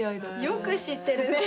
よく知ってるね。